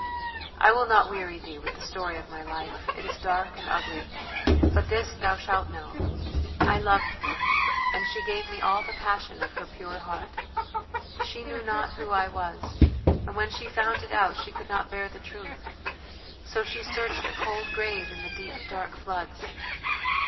"I will not weary thee with the story of my life; it is dark and ugly, but this thou shalt know: I loved her, and she gave me all the passion of her pure heart. She knew not who I was, and when she found it out she could not bear the truth, so she searched a cold grave in the deep, dark floods.